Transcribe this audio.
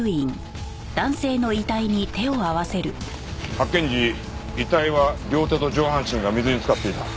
発見時遺体は両手と上半身が水に漬かっていた。